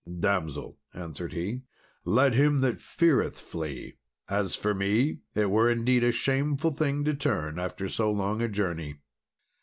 "Damsel," answered he, "let him that feareth flee; as for me, it were indeed a shameful thing to turn after so long a journey."